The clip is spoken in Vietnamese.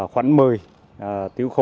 khoảng một mươi tiểu khu hai trăm bốn mươi ba